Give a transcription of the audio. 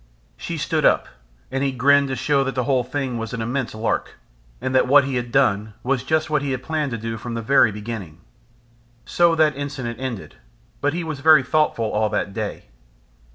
She stood up, and he grinned to show that the whole thing was an immense lark, and that what he had done was just what he had planned to do from the very beginning. So that incident ended. But he was very thoughtful all that day.